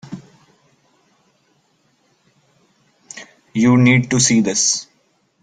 You need to see this.